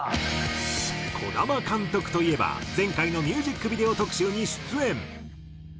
児玉監督といえば前回のミュージックビデオ特集に出演。